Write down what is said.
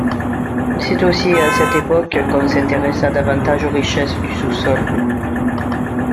C’est aussi à cette époque qu’on s’intéressa davantage aux richesses du sous-sol.